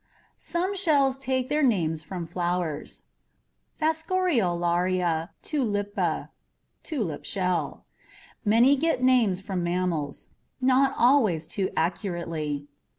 Some shells take their names from flowers: FASCIOLARIA TULIPA, Tulip Shell. Many get named from mammals not always too accurately.